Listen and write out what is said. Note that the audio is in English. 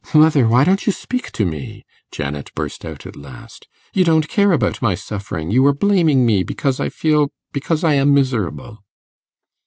'Mother! why don't you speak to me?' Janet burst out at last; 'you don't care about my suffering; you are blaming me because I feel because I am miserable.